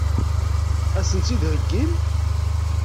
Ad sen-tt-id-theggim?